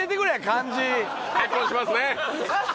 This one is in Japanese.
結婚しますね？